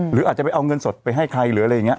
หรืออาจจะไปเอาเงินสดไปให้ใครหรืออะไรอย่างนี้